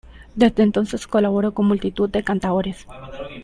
Desde entonces colaboró con multitud de cantaores.